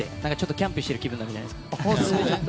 キャンプしてる気分になるじゃないですか。